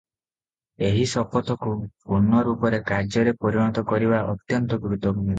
ଏହି ଶପଥକୁ ପୂର୍ଣ୍ଣରୂପରେ କାର୍ଯ୍ୟରେ ପରିଣତ କରିବା ଅତ୍ୟନ୍ତ ଗୁରୁତ୍ତ୍ୱପୂର୍ଣ୍ଣ ।